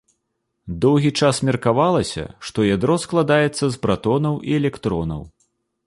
Доўгі час меркавалася, што ядро складаецца з пратонаў і электронаў.